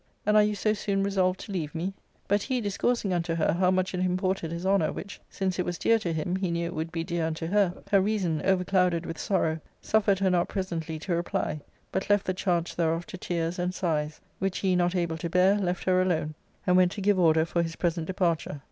and are you so soon resolved to leave me ?" But he discours* ing unto her how much it imported his honour, which, since it was dear to him, he knew it would be dear unto her, her reason, overclouded with sorrow, suffered her not presently to reply, but left the charge thereof to tears and sighs, which he not able to bear, left her alone, and went to give order for his present departure.